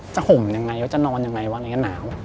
จะห่มยังไงวะจะนอนยังไงวะอะไรก็หนาว